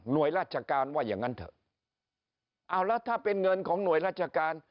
โดยราชการว่าอย่างนั้นเถอะเอาแล้วถ้าเป็นเงินของหน่วยราชการ